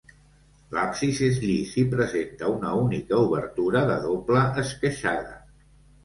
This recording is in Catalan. L'absis és llis i presenta una única obertura de doble esqueixada.